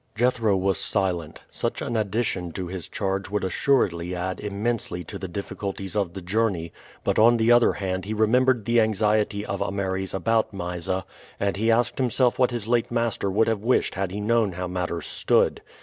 Jethro was silent. Such an addition to his charge would assuredly add immensely to the difficulties of the journey; but on the other hand he remembered the anxiety of Ameres about Mysa, and he asked himself what his late master would have wished had he known how matters stood.